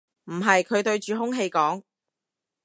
唔係，佢對住空氣講